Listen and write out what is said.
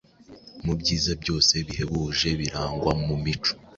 Mu byiza byose bihebuje birangwa mu mico,